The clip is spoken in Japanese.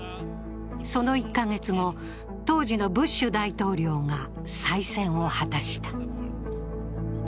その１カ月後、当時のブッシュ大統領が再選を果たした。